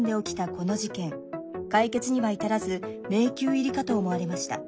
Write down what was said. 解決には至らず迷宮入りかと思われました。